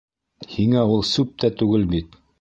Һиңә ул сүп тә түгел бит.